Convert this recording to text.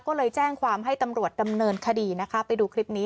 ก็เลยแจ้งความให้ตำรวจดำเนินคดีนะคะไปดูคลิปนี้